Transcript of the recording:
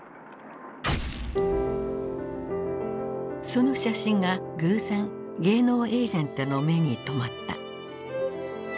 その写真が偶然芸能エージェントの目に留まった。